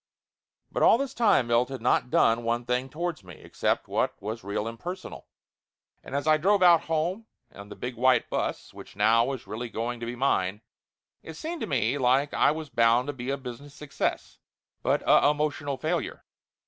But all this time Milt had not done one thing towards me, except what was real impersonal. And as I drove out home in the big white bus, which now was really going to be mine, it seemed to me like I was bound to be a business success ; but a emotional failure.